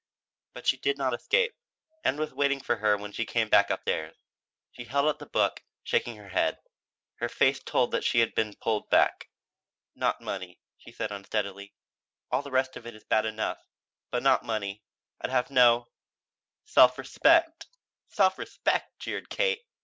But she did not escape. Ann was waiting for her when she came back up stairs. She held out the book, shaking her head. Her face told that she had been pulled back. "Not money," she said unsteadily. "All the rest of it is bad enough but not money. I'd have no self respect." "Self respect!" jeered Kate.